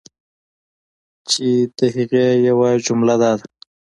چی د هغی یوه جمله دا ده